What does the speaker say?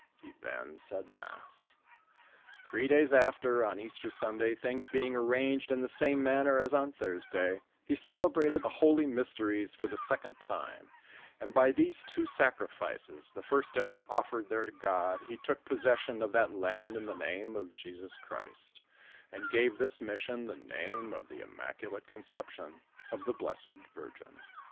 He then said mass. Three days after, on Easter Sunday, things being arranged in the same manner as on Thursday, he celebrated the holy mysteries for the second time, and by these two sac rifices, the fii*8t ever offered there to God, he took possession of that land in the name of Jesns Christ, and gave this mis sion the name of the Immaculate Conception of the Blessed Virgin.